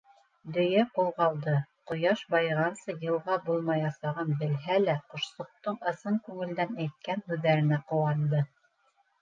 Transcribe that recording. Дөйә ҡуҙғалды, ҡояш байығансы йылға булмаясағын белһә лә, ҡошсоҡтоң ысын күңелдән әйткән һүҙҙәренә ҡыуанды.